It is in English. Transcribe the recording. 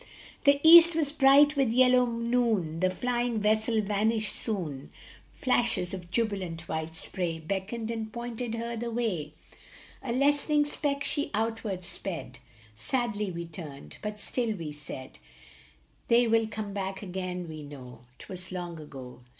The east was bright with yellow noon, The flying vessel vanished soon. Flashes of jubilant white spray Beckoned and pointed her the way. A lessening speck she outward sped ; Sadly we turned, but still we said, "They will come back again, we know," T was long ago, so long ago